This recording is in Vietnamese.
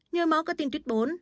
nhồi máu cơ tim tuyết bốn